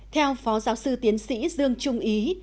theo phó giáo sư tiến sĩ dương trung ý